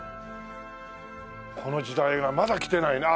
この時代はまだきてないな。